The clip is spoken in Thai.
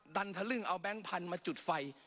ดันทะลึ่งเอาแก๊งพันธุ์มาจุดไฟ